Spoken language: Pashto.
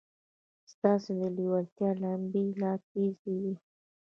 چې ستاسې د لېوالتیا لمبې لا تېزوي.